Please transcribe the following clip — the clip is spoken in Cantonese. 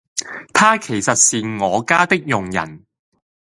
她其實是我家的佣人